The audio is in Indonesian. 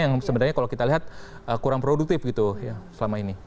yang sebenarnya kalau kita lihat kurang produktif gitu ya selama ini